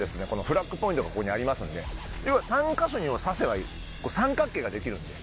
フラッグポイントがここにありますんで要は３か所に挿せばいい三角形が出来るんで。